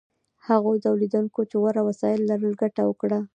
هغو تولیدونکو چې غوره وسایل لرل ګټه وکړه.